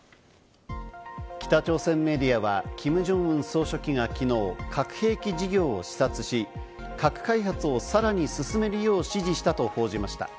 北朝鮮メディアはキム・ジョンウン総書記が昨日、核兵器事業を視察し、核開発をさらに進めるよう指示したと報じました。